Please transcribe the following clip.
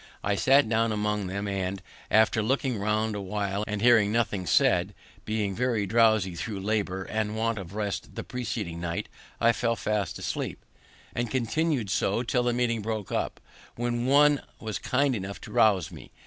I sat down among them, and, after looking round awhile and hearing nothing said, being very drowsy thro' labour and want of rest the preceding night, I fell fast asleep, and continu'd so till the meeting broke up, when one was kind enough to rouse me.